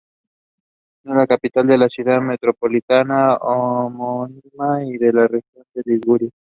Es la capital de la Ciudad metropolitana homónima y de la región de Liguria.